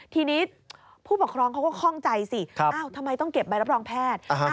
ทีนี้ผู้ปกครองเขาก็คล่องใจสิทำไมต้องเก็บใบรับรองแพทย์